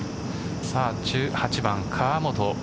１８番、河本。